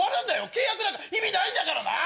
契約なんか意味ないんだからな！